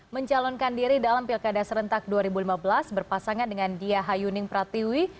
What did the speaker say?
menjalankan diri dalam pilkada serentak dua ribu lima belas berpasangan dengan diahayuning pratiywi